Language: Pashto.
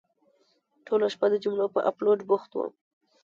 ټوله شپه د جملو په اپلوډ بوخت وم.